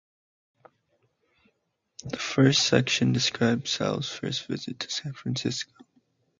The first section describes Sal's first trip to San Francisco.